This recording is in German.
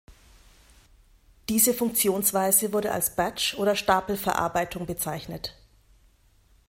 Diese Funktionsweise wurde als Batch- oder Stapelverarbeitung bezeichnet.